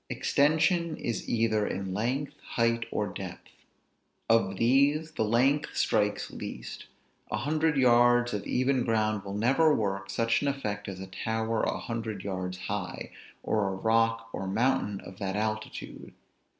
Extension is either in length, height, or depth. Of these the length strikes least; a hundred yards of even ground will never work such an effect as a tower a hundred yards high, or a rock or mountain of that altitude.